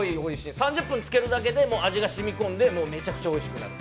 ３０分漬けるだけで、味がしみ込んでもうめちゃくちゃおいしくなる。